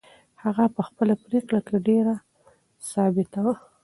هغه په خپله پرېکړه کې ډېره ثابته وه.